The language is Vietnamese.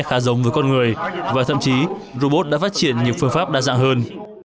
khá giống với con người và thậm chí robot đã phát triển nhiều phương pháp đa dạng hơn